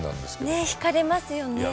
ねえ引かれますよねえ。